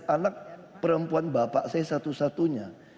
anak perempuan bapak saya satu satunya